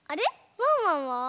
ワンワンは？